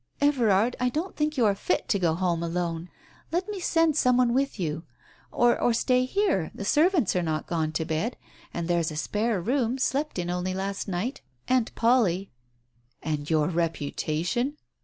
"Everard, I don't think you are fit to go home alone. Let me send some one with you. Or stay here, the servants are not gone to bed, and there's a spare room, slept in only last night. Aunt Polly " "And your reputation?"